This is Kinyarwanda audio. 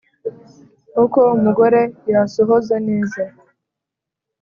Uko umugore yasohoza neza